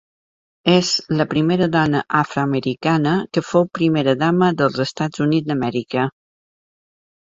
És la primera dona afroamericana que fou Primera dama dels Estats Units d'Amèrica.